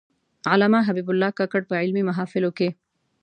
علامه حبیب الله کاکړ په علمي محافلو کې.